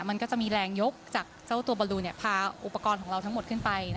มันก็จะมีแรงยกจากเจ้าตัวบอลลูพาอุปกรณ์ของเราทั้งหมดขึ้นไป